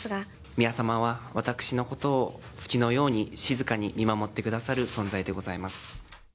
宮さまは、私のことを月のように静かに見守ってくださる存在でございます。